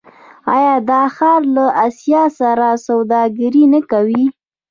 آیا دا ښار له اسیا سره سوداګري نه کوي؟